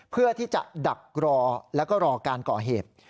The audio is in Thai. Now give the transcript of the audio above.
เพื่อที่จะดักรอแล้วก็รอการก่อเหตุ